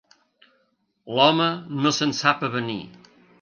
L'home no se'n sap avenir.